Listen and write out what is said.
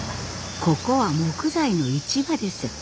ここは木材の市場です。